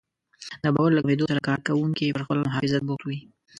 د باور له کمېدو سره کار کوونکي پر خپل محافظت بوخت وي.